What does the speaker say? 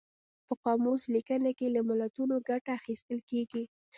په قاموس لیکنه کې له متلونو ګټه اخیستل کیږي